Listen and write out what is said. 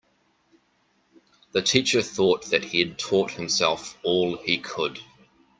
The teacher thought that he'd taught himself all he could.